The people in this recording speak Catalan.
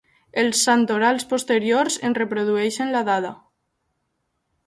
Els santorals posteriors en reprodueixen la dada.